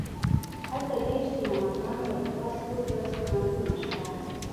هلته ډیر سینماګانې او د فاسټ فوډ رستورانتونه شته